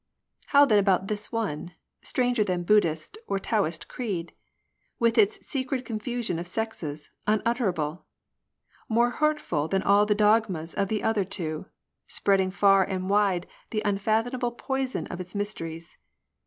How then about this one, stranger than Buddhist or Taoist creed ? With its secret confusion of sexes, unutterable ! More hurtful than all the dogmas of the other two ; Spreading far and wide the unfathomable poison of its mysteries.